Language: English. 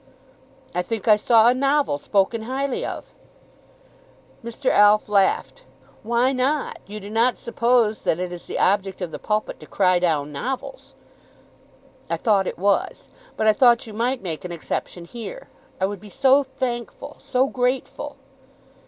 "I think I saw a novel spoken highly of." Mr. Alf laughed. "Why not? You do not suppose that it is the object of the 'Pulpit' to cry down novels?" "I thought it was; but I thought you might make an exception here. I would be so thankful; so grateful."